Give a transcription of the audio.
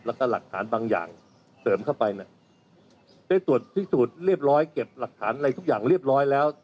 แล้วก็หลักฐานบางอย่างเสริมเข้าไปเนี่ยได้ตรวจพิสูจน์เรียบร้อยเก็บหลักฐานอะไรทุกอย่างเรียบร้อยแล้ว